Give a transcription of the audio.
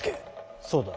そうだ。